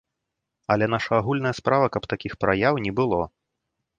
Але наша агульная справа, каб такіх праяў не было.